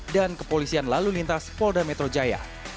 dan kepolisian lalu lintas polda metro jaya